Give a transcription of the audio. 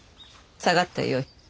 下がってよい。